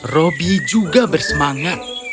robi juga bersemangat